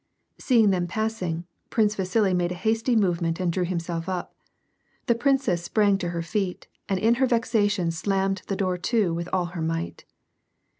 Seeing them passing. Prince Vasili made a hasty movement and drew himself up ; the princess sprang to her feet, and in her vexation slammed the door to with all her might.